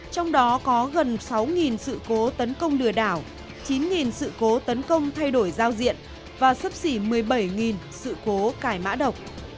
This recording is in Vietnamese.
trong đó có gần sáu sự cố tấn công lừa đảo chín sự cố tấn công thay đổi giao diện và sấp xỉ một mươi bảy sự cố cải mã độc